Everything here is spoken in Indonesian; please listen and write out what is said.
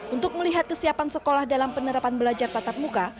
untuk melihat kesiapan sekolah dalam penerapan belajar tatap muka